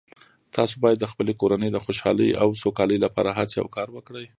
تاسو باید د خپلې کورنۍ د خوشحالۍ او سوکالۍ لپاره هڅې او کار وکړئ